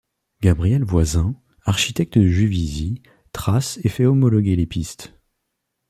Gabriel Voisin, architecte de Juvisy, trace et fait homologuer les pistes.